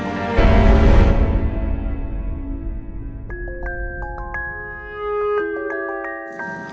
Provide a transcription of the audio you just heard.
kau tahu kenapa